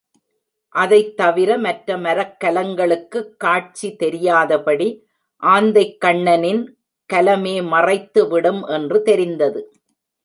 அதைத் தவிர மற்ற மரக்கலங்களுக்குக் காட்சி தெரியாதபடி ஆந்தைக்கண்ணனின் கலமே மறைத்துவிடும் என்று தெரிந்தது.